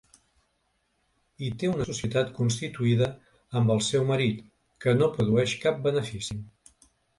I té una societat constituïda amb el seu marit que no produeix cap benefici.